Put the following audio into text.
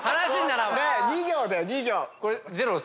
２行だよ２行。